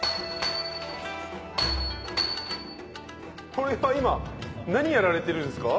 これは今何やられてるんですか？